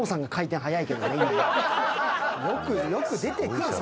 よく出てくるよ。